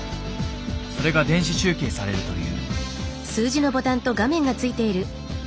それが電子集計されるという。